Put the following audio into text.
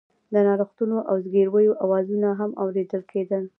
د نالښتونو او زګيرويو آوازونه هم اورېدل کېدل.